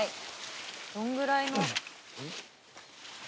どのぐらいの。